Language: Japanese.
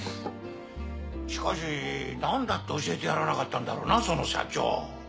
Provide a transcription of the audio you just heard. しかしなんだって教えてやらなかったんだろうなその社長。